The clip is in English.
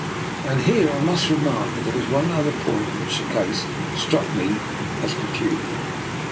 And here I must remark that there was one other point in the case which struck me as peculiar.